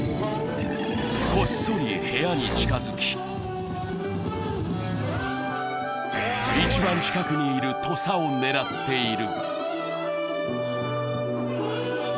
こっそり部屋に近づき、一番近くにいる土佐を狙っている。